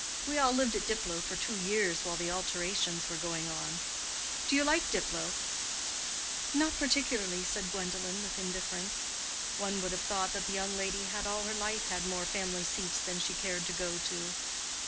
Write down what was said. We all lived at Diplow for two years while the alterations were going on: Do you like Diplow?" "Not particularly," said Gwendolen, with indifference. One would have thought that the young lady had all her life had more family seats than she cared to go to.